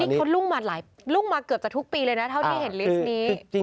เขารุ่งมาหลายรุ่งมาเกือบจะทุกปีเลยนะเท่าที่เห็นลิสต์นี้